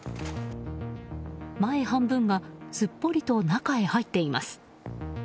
前半分がすっぽりと中へ入っています。